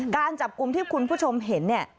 การจับกลุ่มที่คุณผู้ชมเห็นเนี่ย